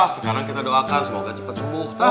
sekarang kita doakan semoga cepat sembuh